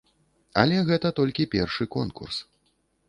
Але гэта толькі першы конкурс.